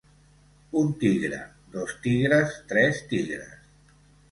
Un tigre, dos tigres, tres tigres.